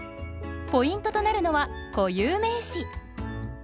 ポイントとなるのは固有名詞。